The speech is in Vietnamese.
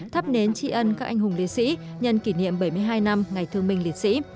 thắp nến tri ân các anh hùng liệt sĩ nhân kỷ niệm bảy mươi hai năm ngày thương minh liệt sĩ